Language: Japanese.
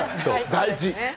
大事！